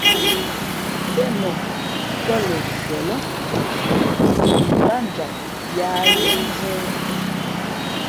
Sēn o kά lα nshʉα lά imbátjam yāā liéʼnzᾱ ?